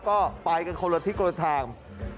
ก็ไปกันคลอดทึกคลอดทาง